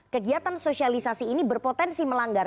kegiatan sosialisasi ini berpotensi melanggar